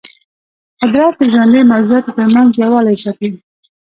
قدرت د ژوندیو موجوداتو ترمنځ یووالی ساتي.